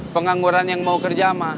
pengangguran yang mau kerja mah